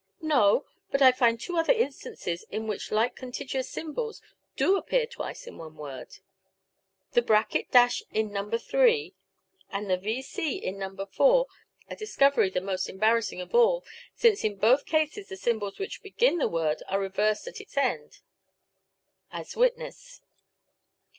No, but I find two other instances in which like contiguous symbols do appear twice in one word; the.<.[ ] in No. 3 and the.V.)C in No. 4 a discovery the most embarrassing of all, since in both cases the symbols which begin the word are reversed at its end, as witness